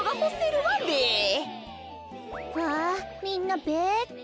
わみんなべって。